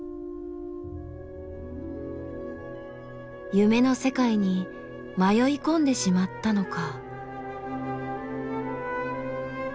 夢の世界に迷い込んでしまったのか。